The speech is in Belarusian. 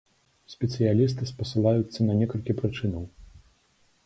Спецыялісты спасылаюцца на некалькі прычынаў.